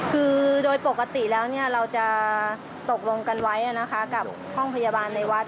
คือโดยปกติแล้วเราจะตกลงกันไว้นะคะกับห้องพยาบาลในวัด